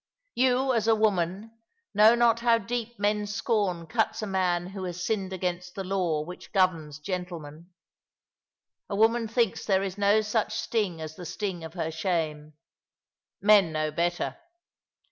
You, as a woman, know not how deep men's scorn cuts a man who has sinned against the law which governs gentlemen. A woman thinks there is no such sting as the sting of her shame. Men know better.